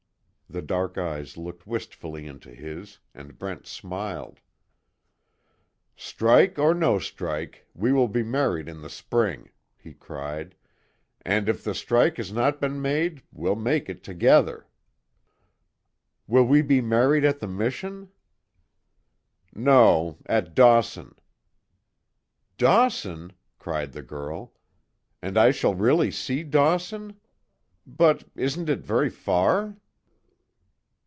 The dark eyes looked wistfully into his, and Brent smiled: "Strike or no strike, we will be married in the spring!" he cried, "and if the strike has not been made, we'll make it together." "Will we be married at the mission?" "No at Dawson." "Dawson!" cried the girl, "And I shall really see Dawson? But, isn't it very far?"